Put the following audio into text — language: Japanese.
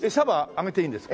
あげていいんですか？